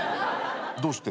どうして？